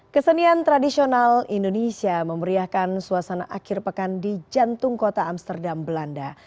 kesenian tradisional indonesia memberiakan suasana akhir pekan di jantung kota amsterdam belanda